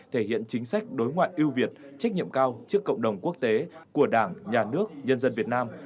thể hiện chính sách đối ngoại ưu việt trách nhiệm cao trước cộng đồng quốc tế của đảng nhà nước nhân dân việt nam